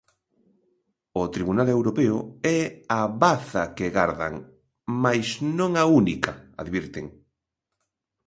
O Tribunal Europeo é "a baza" que gardan, "mais non a única", advirten.